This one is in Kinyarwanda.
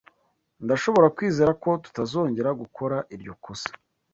Ndashobora kwizeza ko tutazongera gukora iryo kosa.